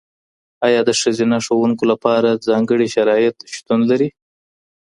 آیا د ښځینه ښوونکو لپاره ځانګړي شرایط شتون لري؟